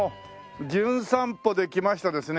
『じゅん散歩』で来ましたですね